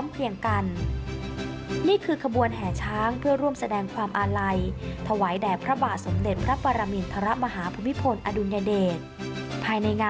เพียงกันนี่คือขบวนแห่ช้างเพื่อร่วมแสดงความอาลัยถวายแด่พระบาทสมเด็จพระปรมินทรมาฮภูมิพลอดุลย